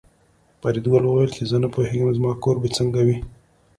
فریدګل وویل چې نه پوهېږم زما کور به څنګه وي